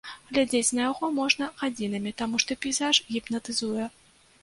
Глядзець на яго можна гадзінамі, таму што пейзаж гіпнатызуе.